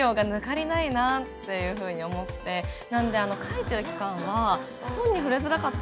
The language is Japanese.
なので書いてる期間は本に触れづらかったんですよ。